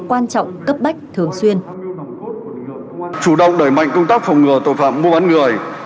quan trọng cấp bách thường xuyên chủ động đẩy mạnh công tác phòng ngừa tội phạm mua bán người